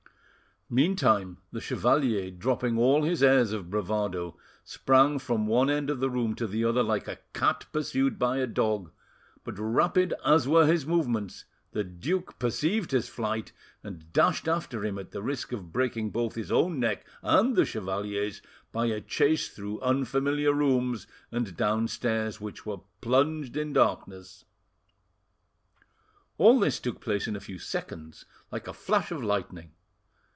Meantime the chevalier, dropping all his airs of bravado, sprang from one end of the room to the other like a cat pursued by a dog; but rapid as were his movements, the duke perceived his flight, and dashed after him at the risk of breaking both his own neck and the chevalier's by a chase through unfamiliar rooms and down stairs which were plunged in darkness. All this took place in a few seconds, like a flash of lightning.